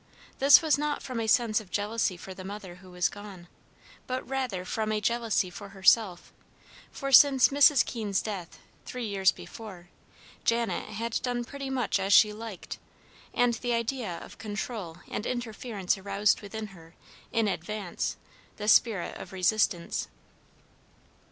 This was not from a sense of jealousy for the mother who was gone, but rather from a jealousy for herself; for since Mrs. Keene's death, three years before, Janet had done pretty much as she liked, and the idea of control and interference aroused within her, in advance, the spirit of resistance.